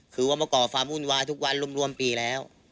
คือว่าเมื่อก่อฝากอุ่นวายทุกวันร่วมปีแล้ว